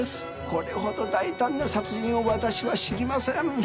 これほど大胆な殺人を私は知りません。